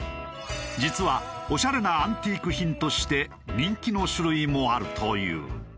実はオシャレなアンティーク品として人気の種類もあるという。